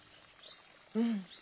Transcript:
うん。